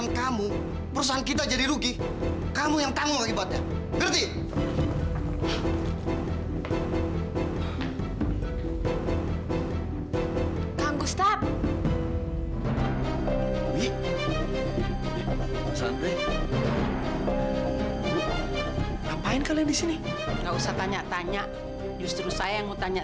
sampai jumpa di video selanjutnya